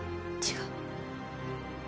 違う。